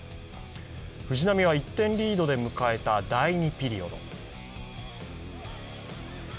藤波は１点リードで迎えた第２ピリオド。